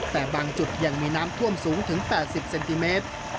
แต่บางจุดยังมีน้ำท่วมสูงถึง๘๐เซนติเมตร